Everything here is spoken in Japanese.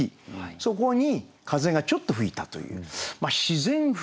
そこに風がちょっと吹いたという自然諷詠。